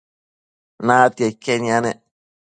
natia iquen yanec